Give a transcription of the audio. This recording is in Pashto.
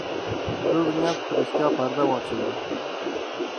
کوږ نیت پر رښتیا پرده واچوي